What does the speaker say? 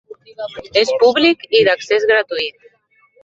És públic i d'accés gratuït.